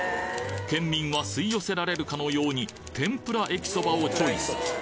県民は吸い寄せられるかのように天ぷらえきそばをチョイス！